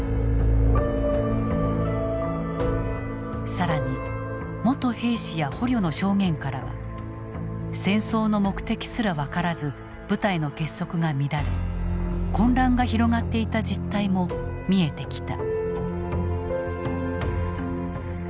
更に元兵士や捕虜の証言からは戦争の目的すら分からず部隊の結束が乱れ混乱が広がっていた実態も見えてきた。